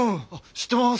知ってます。